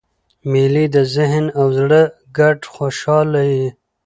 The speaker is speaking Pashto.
مېلې د ذهن او زړه ګډه خوشحاله يي.